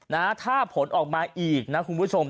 นะถ้าผลออกมาอีกนะคุณผู้ชม